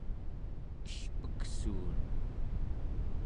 elpeksuun